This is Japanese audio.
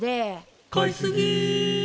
「買い過ぎ」